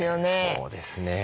そうですね。